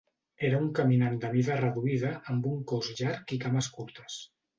Era un caminant de mida reduïda, amb un cos llarg i cames curtes.